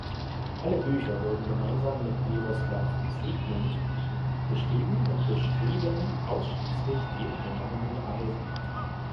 Alle Bücher wurden gemeinsam mit Miroslav Zikmund geschrieben und beschrieben ausschließlich die unternommenen Reisen.